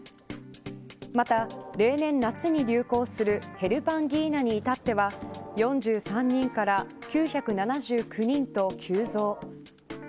また例年、夏に流行するヘルパンギーナに至っては４３人から９７９人と急増。